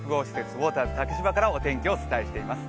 ウォーターズ竹芝からお天気をお伝えしています。